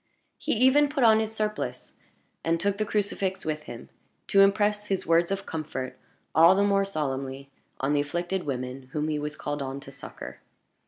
He even put on his surplice, and took the crucifix with him, to impress his words of comfort all the more solemnly on the afflicted women whom he was called on to succor.